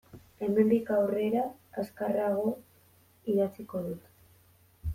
Hemendik aurrera azkarrago idatziko dut.